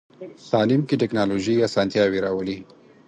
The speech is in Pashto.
تعلیم کې ټکنالوژي اسانتیاوې راولي.